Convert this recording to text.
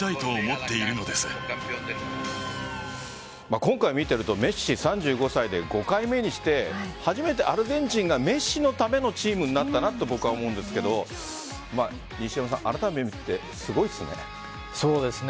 今回見ているとメッシ３５歳で５回目にして初めてアルゼンチンがメッシのためのチームになったなと僕は思うんですが西山さん、あらためて見てすごいですね。